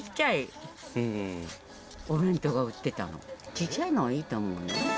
ちっちゃいのいいと思う。